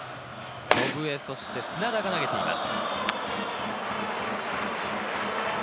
祖父江、そして砂田が投げています。